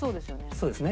そうですね。